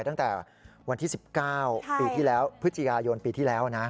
ตั้งแต่วันที่๑๙ปีที่แล้วพฤศจิกายนปีที่แล้วนะ